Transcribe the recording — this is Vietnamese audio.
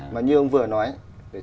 mà như ông vừa nói ấy